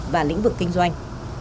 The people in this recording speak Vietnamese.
và lĩnh vực kinh doanh